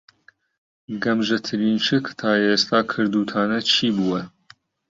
گەمژەترین شت کە تا ئێستا کردووتانە چی بووە؟